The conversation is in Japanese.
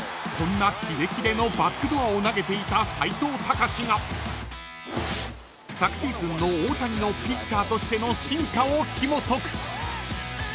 こんなキレキレのバックドアを投げていた斎藤隆が昨シーズンの大谷のピッチャーとしての進化をひもとく］